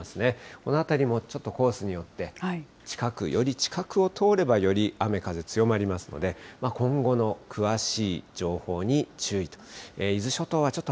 この辺りもちょっとコースによって、近く、より近くを通れば、より雨風強まりますので、今後の詳しい情報に注意と。